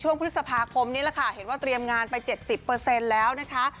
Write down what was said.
ช่วงพฤศพาคมนี้แหละค่ะเห็นว่าเตรียมงานไปเจ็ดสิบเปอร์เซ็นต์แล้วนะคะ